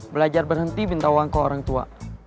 belajar berhenti minta uang ke orang tua